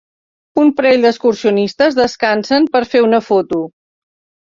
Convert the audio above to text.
Un parell d'excursionistes descansen per a fer una foto.